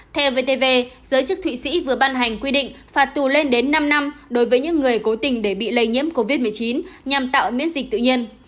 theo vtv giới chức thụy sĩ vừa ban hành quy định phạt tù lên đến năm năm đối với những người cố tình để bị lây nhiễm covid một mươi chín nhằm tạo miễn dịch tự nhiên